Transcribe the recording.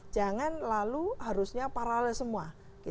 jangan lalu harusnya paralel semua